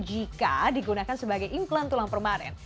jika digunakan sebagai implan tulang permaren